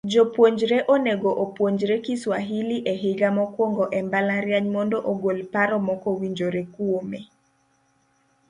Jopuonjre onego opuonjre Kiswahili e higa mokwongo e mbalariany mondo ogol paro mokowinjore kuome.